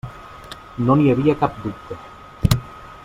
No n'hi havia cap dubte.